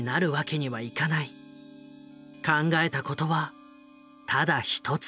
考えたことはただ一つ。